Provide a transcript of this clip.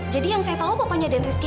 jadi yang saya tahu papanya dan rizky